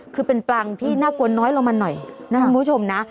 คือเป็นปลางที่น่ากลัวน้อยลงมาหน่อยนะคุณผู้ชมนะ